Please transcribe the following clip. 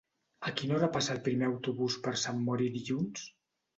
A quina hora passa el primer autobús per Sant Mori dilluns?